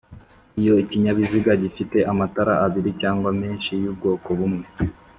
Iyo ikinyabiziga gifite amatara abiri cyangwa menshi y'ubwoko bumwe